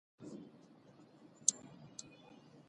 د چینو اوبه رڼې دي